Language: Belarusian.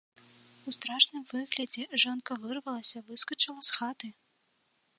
У страшным выглядзе жонка вырвалася, выскачыла з хаты.